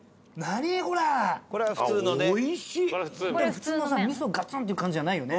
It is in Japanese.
普通のさみそのガツン！っていう感じじゃないよね。